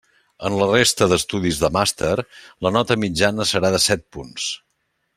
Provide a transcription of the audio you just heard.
En la resta d'estudis de màster la nota mitjana serà de set punts.